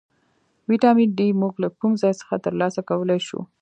ویټامین ډي موږ له کوم ځای څخه ترلاسه کولی شو